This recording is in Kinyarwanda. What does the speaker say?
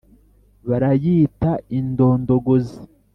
Barayita indondogozi!